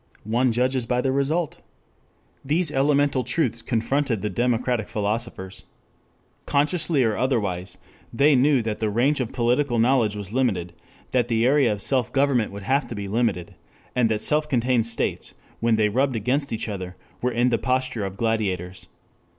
"one judges by the result..." 3 These elemental truths confronted the democratic philosophers. Consciously or otherwise, they knew that the range of political knowledge was limited, that the area of self government would have to be limited, and that self contained states when they rubbed against each other were in the posture of gladiators.